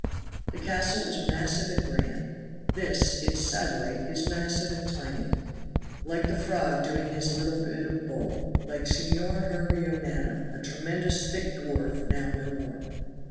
The castle is massive and grand. This, its satellite, is massive and tiny, like the frog doing his little bit of bull like Signor Hervio Nano, a tremendous thick dwarf now no more.